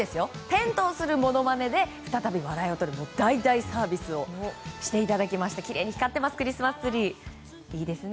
転倒するものまねで再び笑いを取る大々サービスをしていただきましてきれいに光っていますクリスマスツリー。